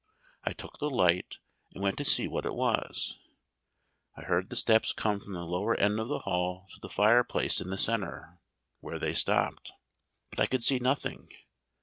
I took the light and went to see what it was. I heard the steps come from the lower end of the hall to the fireplace in the centre, where they stopped; but I could see nothing.